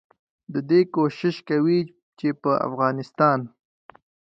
ددې کوشش کوي چې په افغانستان